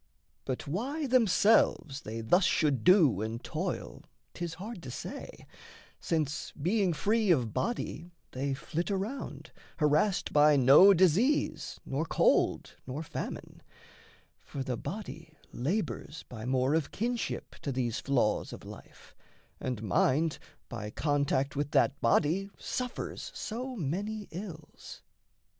But why themselves they thus should do and toil 'Tis hard to say, since, being free of body, They flit around, harassed by no disease, Nor cold nor famine; for the body labours By more of kinship to these flaws of life, And mind by contact with that body suffers So many ills.